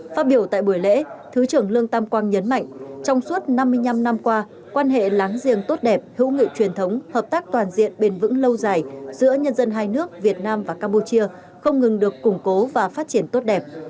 phát biểu tại buổi lễ thứ trưởng lương tam quang nhấn mạnh trong suốt năm mươi năm năm qua quan hệ láng giềng tốt đẹp hữu nghị truyền thống hợp tác toàn diện bền vững lâu dài giữa nhân dân hai nước việt nam và campuchia không ngừng được củng cố và phát triển tốt đẹp